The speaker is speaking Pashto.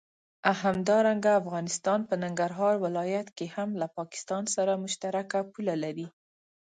همدارنګه افغانستان په ننګرهار ولايت کې هم له پاکستان سره مشترکه پوله لري.